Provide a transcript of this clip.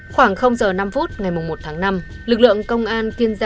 khoảng giờ năm phút ngày một tháng năm lực lượng công an tiên gia